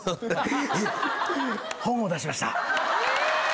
本を出しました。